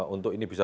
untuk ini bisa